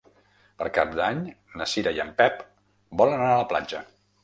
Per Cap d'Any na Cira i en Pep volen anar a la platja.